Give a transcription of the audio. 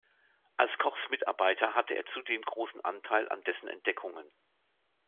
Als Kochs Mitarbeiter hatte er zudem großen Anteil an dessen Entdeckungen.